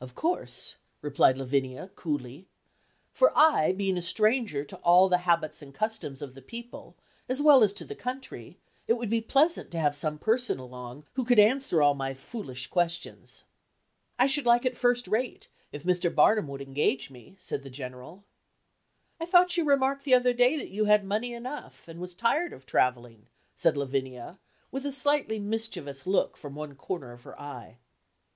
"Of course," replied Lavinia, coolly, "for I, being a stranger to all the habits and customs of the people, as well as to the country, it would be pleasant to have some person along who could answer all my foolish questions." "I should like it first rate, if Mr. Barnum would engage me," said the General. "I thought you remarked the other day that you had money enough, and was tired of travelling," said Lavinia, with a slightly mischievous look from one corner of her eye.